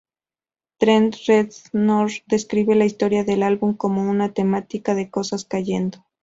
Trent Reznor describe la historia del álbum como "una temática de cosas cayendo".